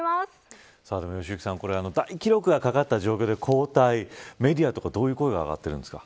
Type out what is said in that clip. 良幸さん、大記録がかかった状態で交代をメディアとか、どういう声が上がっているんですか。